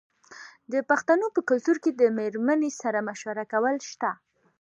د پښتنو په کلتور کې د میرمنې سره مشوره کول شته.